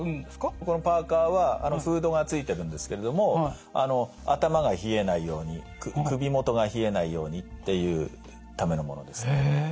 このパーカーはフードが付いてるんですけれども頭が冷えないように首元が冷えないようにっていうためのものですね。